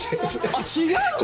あっ、違うの？